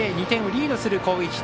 ２点をリードする攻撃。